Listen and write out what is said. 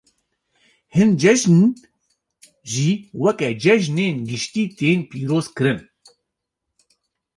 Hin cejn, jî weke cejinên giştî tên pîrozkirin.